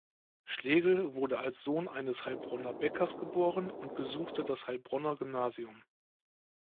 Schlegel wurde als Sohn eines Heilbronner Bäckers geboren und besuchte das Heilbronner Gymnasium.